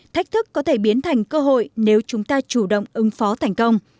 thách thức có thể biến thành cơ hội nếu chúng ta chủ động ứng phó thành công